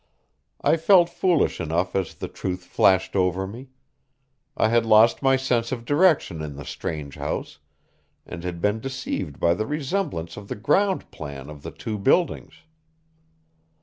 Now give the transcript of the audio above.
I felt foolish enough as the truth flashed over me. I had lost my sense of direction in the strange house, and had been deceived by the resemblance of the ground plan of the two buildings.